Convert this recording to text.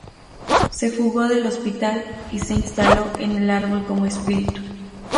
Se fugó del hospital, y se instaló en el árbol como "espíritu".